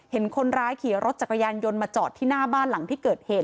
เห็นคนร้ายขี่รถจักรยานยนต์มาจอดที่หน้าบ้านหลังที่เกิดเหตุ